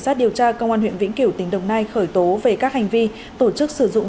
cảnh sát điều tra công an huyện vĩnh kiểu tỉnh đồng nai khởi tố về các hành vi tổ chức sử dụng